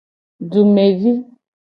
Dumevi.